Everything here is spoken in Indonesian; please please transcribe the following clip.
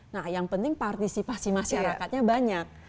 nah yang penting partisipasi masyarakatnya banyak